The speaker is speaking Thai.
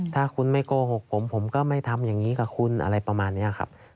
ถ้าคุณไม่โกหกผมผมก็ไม่ทำอย่างนี้กับคุณอะไรประมาณนี้ครับ